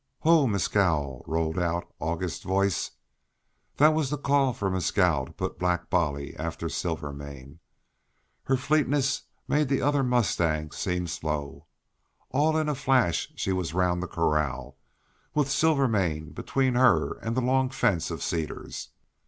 "Ho! Mescal!" rolled out August's voice. That was the call for Mescal to put Black Bolly after Silvermane. Her fleetness made the other mustangs seem slow. All in a flash she was round the corral, with Silvermane between her and the long fence of cedars.